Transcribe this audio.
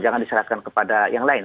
jangan diserahkan kepada yang lain